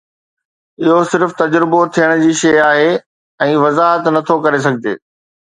اهو صرف تجربو ٿيڻ جي شيء آهي ۽ وضاحت نه ٿو ڪري سگهجي